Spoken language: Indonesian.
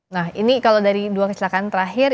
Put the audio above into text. nah ini kalau dari dua kecelakaan terakhir